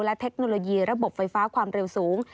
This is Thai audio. และเทคโนโลยีระบบไฟฟ้าความเร็วสูง